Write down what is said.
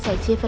nam định à